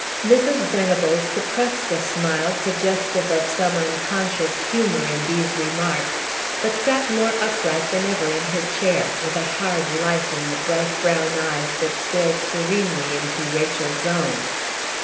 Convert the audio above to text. Mrs. Venables suppressed a smile suggestive of some unconscious humor in these remarks, but sat more upright than ever in her chair, with a hard light in the bright brown eyes that stared serenely into Rachel's own.